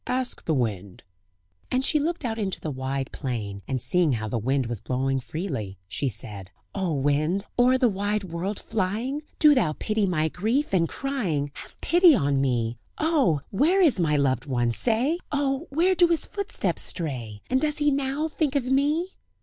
"Ask the wind." And she looked out into the wide plain, and seeing how the wind was blowing freely, she said: "O wind! o'er the wide world flying! Do thou pity my grief and crying! Have pity on me! Oh! where is my loved one? say! Oh! where do his footsteps stray? And does he now think of me?"